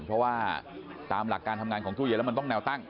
เพราะว่าตามหลักการทำงานของตู้เย็นแล้วมันต้องแนวตั้ง